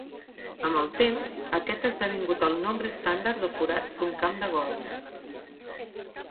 Amb el temps, aquest ha esdevingut el nombre estàndard de forats d'un camp de golf.